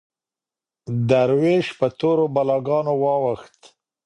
دروېش پر تورو بلاګانو واوښت